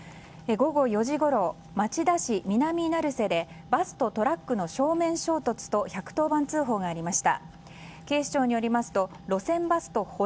午後４時ごろ、町田市南成瀬でバスとトラックの正面衝突と１１０番通報がありました。